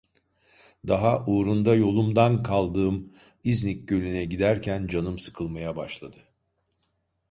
Daha uğrunda yolumdan kaldığım İznik Gölü'ne giderken canım sıkılmaya başladı.